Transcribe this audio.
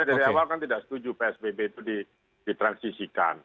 karena sekarang tidak setuju psbb itu ditransisikan